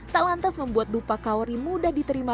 tak lantas membuat dupa kaori mudah diterima